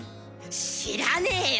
知らねよ。